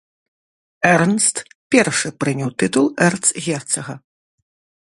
Эрнст першы прыняў тытул эрцгерцага.